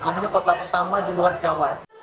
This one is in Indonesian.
kami adalah pertama di luar jawa